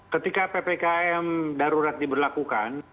ketika ppkm darurat diberlakukan